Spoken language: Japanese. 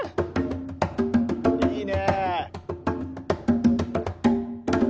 いいね。